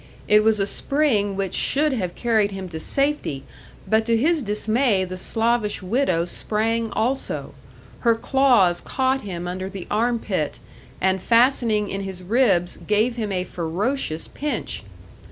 It was a spring which should have carried him to safety; but to his dismay the Slavish widow sprang also her claws caught him under the arm pit, and fastening in his ribs, gave him a ferocious pinch.